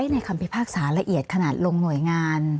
คำพิพากษาละเอียดขนาดลงหน่วยงาน